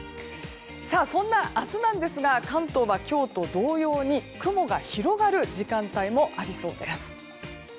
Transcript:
そんな明日なんですが関東は今日と同様に雲が広がる時間帯もありそうです。